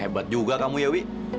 hebat juga kamu ya wi